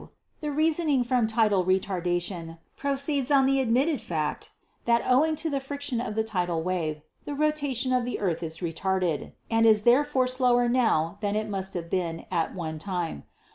(2) The reasoning from tidal retardation proceeds on the admitted fact that, owing to the friction of the tidal wave, the rotation of the earth is retarded, and 240 GEOLOGY is therefore slower now than it must have been at one time.